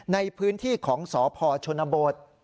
ในพื้นที่ของสพชนบท